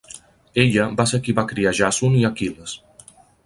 Ella va ser qui va criar Jàson i Aquil·les.